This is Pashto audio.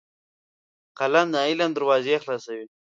قلم د علم دروازې خلاصوي